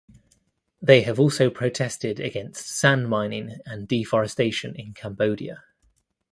They have also protested against sand mining and deforestation in Cambodia.